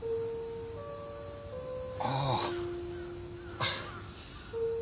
ああ。